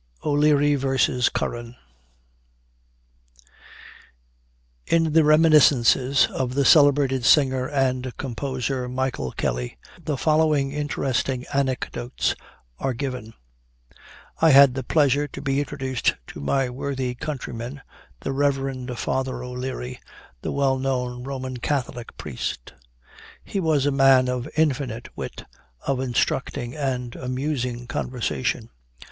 O'LEARY VERSUS CURRAN. In the "Reminiscences" of the celebrated singer and composer, Michael Kelly, the following interesting anecdotes are given: "I had the pleasure to be introduced to my worthy countryman, the Rev. Father O'Leary, the well known Roman Catholic priest; he was a man of infinite wit, of instructing and amusing conversation.